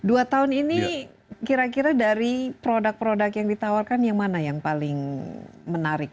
dua tahun ini kira kira dari produk produk yang ditawarkan yang mana yang paling menarik